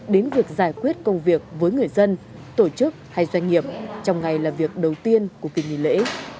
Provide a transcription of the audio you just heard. đến việc giải quyết công việc với người dân tổ chức hay doanh nghiệp trong ngày làm việc đầu tiên của kỳ nghỉ lễ